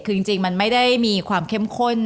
คือจริงมันไม่ได้มีความเข้มข้น